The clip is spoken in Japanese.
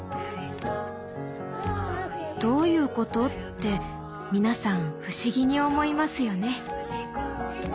どういうこと？って皆さん不思議に思いますよね。